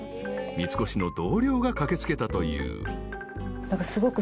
［三越の同僚が駆け付けたという］